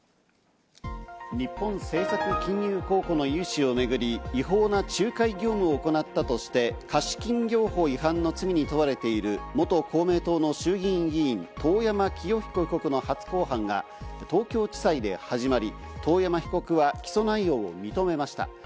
日本政策金融公庫の融資をめぐり、違法な仲介業務を行ったとして、貸金業法違反の罪に問われている元公明党の衆議院議員・遠山清彦被告の初公判が東京地裁で始まり、遠山被告は起訴内容を認めました。